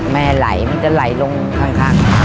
แม่ไหลมันจะไหลลงข้าง